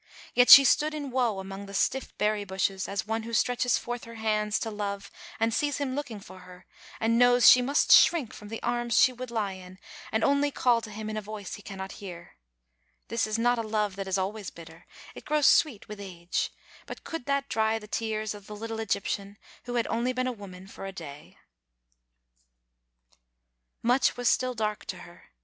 Yet she stood in woe among the stifiE berry bushes, as one who stretches forth her hands to Love and sees him looking for her, and knows she must shrink from the arms she would lie in, and only call to him in a voice he cannot hear. This is not a love that is always bitter. It grows sweet with age. But could that dry the tears of the little Egyptian, who had only been a woman for a day? Digitized by VjOOQ IC 312 Vbc Xittle Osinietct. Much was still dark to her.